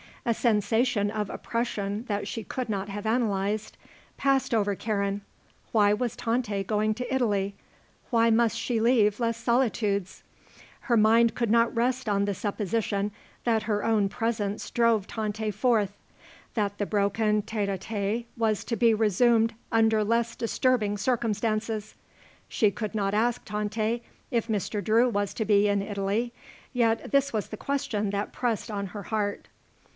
A sensation of oppression that she could not have analyzed passed over Karen. Why was Tante going to Italy? Why must she leave Les Solitudes? Her mind could not rest on the supposition that her own presence drove Tante forth, that the broken tête à tête was to be resumed under less disturbing circumstances. She could not ask Tante if Mr. Drew was to be in Italy; yet this was the question that pressed on her heart.